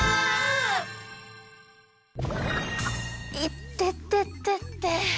いてててて。